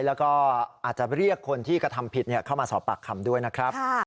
แล้วก็อาจจะเรียกคนที่กระทำผิดเข้ามาสอบปากคำด้วยนะครับ